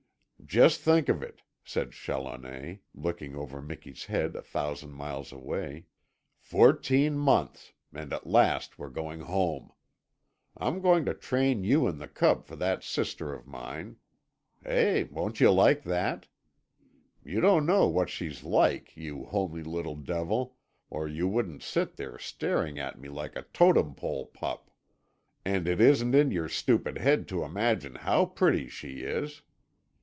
"Just think of it," said Challoner, looking over Miki's head a thousand miles away, "Fourteen months and at last we're going home. I'm going to train you and the cub for that sister of mine. Eh, won't you like that? You don't know what she's like, you homely little devil, or you wouldn't sit there staring at me like a totem pole pup! And it isn't in your stupid head to imagine how pretty she is.